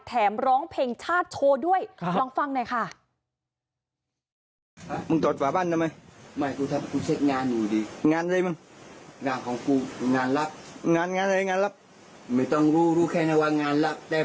ร้องเพลงชาติโชว์ด้วยลองฟังหน่อยค่ะ